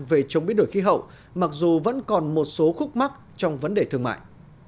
về chống biến đổi khí hậu mặc dù vẫn còn một số khúc mắc trong vấn đề thương mại